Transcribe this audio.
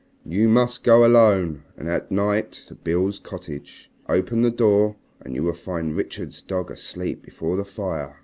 "You must go alone and at night to Beale's cottage, open the door and you will find Richard's dog asleep before the fire.